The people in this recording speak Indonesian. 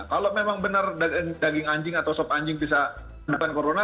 kalau memang benar daging anjing atau sop anjing bisa bukan corona